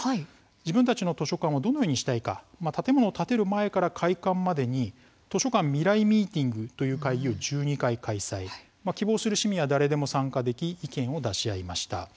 自分たちの図書館をどのようにしたいか建物を建てる前から開館までに「としょかん未来ミーティング」という会議を１２回開催希望する市民は誰でも参加でき意見を出し合いました。